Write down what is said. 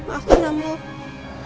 kalau bukan saya orang yang kalian cari